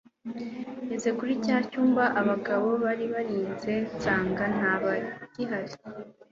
ngeze kuri cya cyumba abagabo bari barinze ,nsanga ntabagihari